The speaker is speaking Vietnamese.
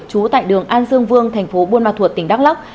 chú tại đường an sương vương thành phố buôn ma thuột tỉnh đắk lóc